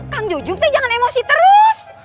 kang jojum jangan emosi terus